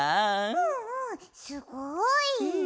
うんうんすごい！